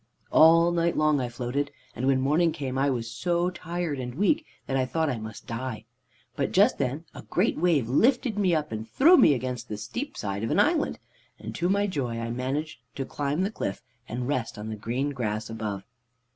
"All night long I floated, and when morning came I was so tired and weak that I thought I must die. But just then a great wave lifted me up and threw me against the steep side of an island, and to my joy I managed to climb the cliff and rest on the green grass above.